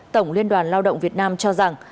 tổng liên đoàn lao động việt nam cho rằng